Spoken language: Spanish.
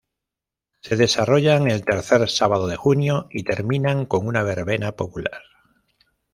Se desarrollan el tercer sábado de junio y terminan con una verbena popular.